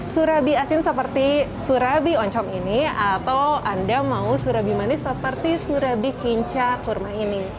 surabi asin seperti surabi oncom ini atau anda mau surabi manis seperti surabi kinca kurma ini